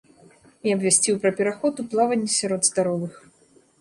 І абвясціў пра пераход у плаванне сярод здаровых.